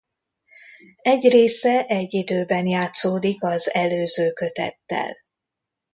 Egy része egy időben játszódik az előző kötettel.